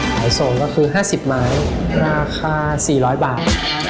ขายโสงก็คือห้าสิบไม้ราคาสี่ร้อยบาท